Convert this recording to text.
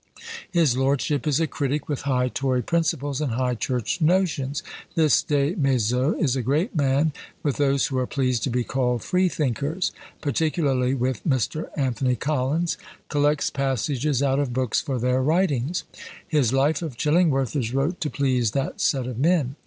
His lordship is a critic with high Tory principles, and high church notions. "This Des Maizeaux is a great man with those who are pleased to be called Freethinkers, particularly with Mr. Anthony Collins, collects passages out of books for their writings. His Life of Chillingworth is wrote to please that set of men."